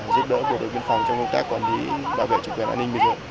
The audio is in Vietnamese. giúp đỡ bộ đội biên phòng trong công tác quản lý bảo vệ chủ quyền an ninh bình luận